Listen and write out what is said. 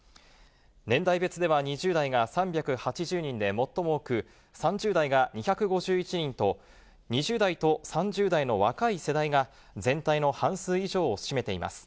年代別では、２０代が３８０人で最も多く、３０代が２５１人と、２０代と３０代の若い世代が、全体の半数以上を占めています。